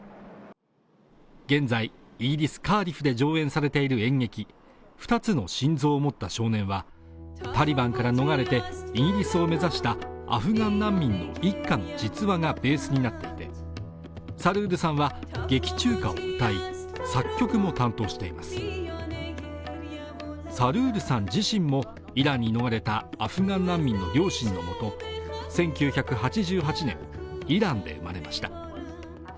現在イギリス・カーディフで上演されている演劇「２つの心臓を持った少年」はタリバンから逃れてイギリスを目指したアフガン難民の一家の実話がベースになっててサルールさんは劇中歌を歌い作曲も担当していますサルールさん自身もイランに逃れたアフガン難民の両親のもと１９８８年イランで生まれました